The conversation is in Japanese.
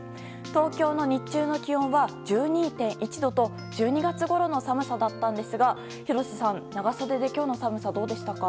東京の日中の気温は１２．１度と１２月ごろの寒さだったんですが廣瀬さん、長袖で今日の寒さどうでしたか？